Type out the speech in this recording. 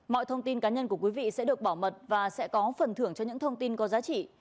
mọi thông tin cá nhân của quý vị sẽ được bảo mật và sẽ có phần thưởng cho những thông tin có giá trị